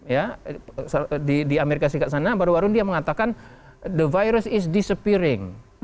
ya di amerika serikat sana baru baru dia mengatakan the virus is this apearing